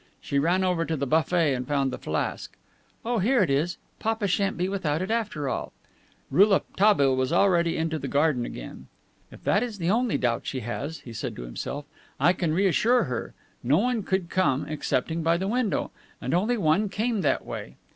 She ran over to the buffet and found the flask. "Oh, here it is. Papa shan't be without it, after all." Rouletabille was already into the garden again. "If that is the only doubt she has," he said to himself, "I can reassure her. No one could come, excepting by the window. And only one came that way."